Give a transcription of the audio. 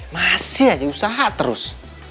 masih aja usaha terus